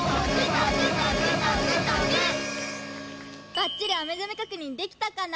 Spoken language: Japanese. ばっちりおめざめ確認できたかな？